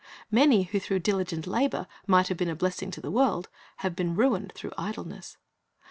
Many who through diligent labor might have been a blessing to the world, ha\e been ruined through idleness.